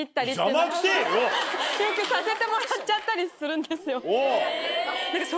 よくさせてもらっちゃったりするんですよ。